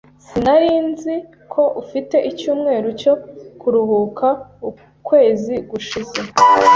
Sinari nzi ko ufite icyumweru cyo kuruhuka ukwezi gushize.